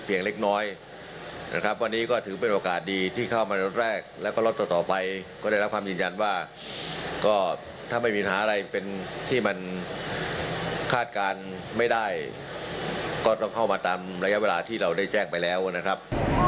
เล็กน้อยนะครับวันนี้ก็ถือเป็นโอกาสดีที่เข้ามาล็อตแรกแล้วก็ล็อตต่อต่อไปก็ได้รับความยืนยันว่าก็ถ้าไม่มีปัญหาอะไรเป็นที่มันคาดการณ์ไม่ได้ก็ต้องเข้ามาตามระยะเวลาที่เราได้แจ้งไปแล้วนะครับ